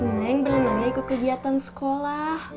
nenek belum pernah ikut kegiatan sekolah